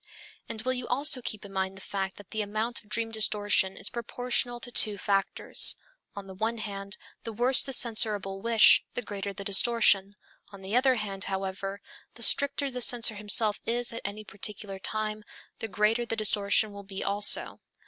And will you also keep in mind the fact that the amount of dream distortion is proportional to two factors. On the one hand, the worse the censorable wish, the greater the distortion; on the other hand, however, the stricter the censor himself is at any particular time the greater the distortion will be also.